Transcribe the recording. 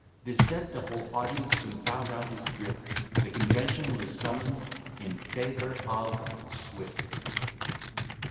This said, the whole audience soon found out his drift: The convention was summon'd in favour of SWIFT.